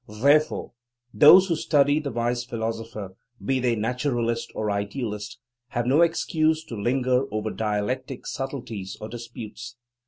Therefore those who study the wise philosopher, be they naturalist or idealist, have no excuse to linger over dialectic subtleties or disputes.